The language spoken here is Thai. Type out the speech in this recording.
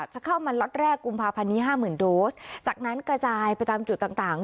จะเข้ามาล็อตแรกกุมภาพันธ์นี้ห้าหมื่นโดสจากนั้นกระจายไปตามจุดต่างต่าง